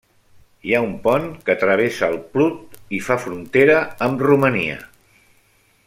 Hi ha un pont que travessa el Prut i fa frontera amb Romania.